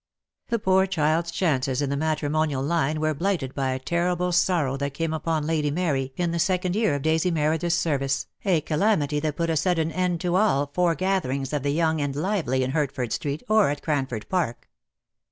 The poor child's chances in the matrimonial line were blighted by a terrible sorrow that came upon Lady Mary in the second year of Daisy Meredith's service, a calamity that put a sudden end to all foregatherings of the young and lively in Hertford Street, or at Cranford Park.